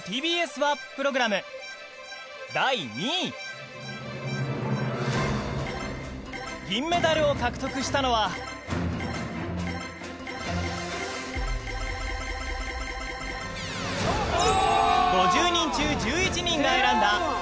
第２位銀メダルを獲得したのは５０人中１１人が選んだ